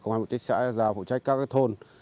quán quán tích xã rao phụ trách các thôn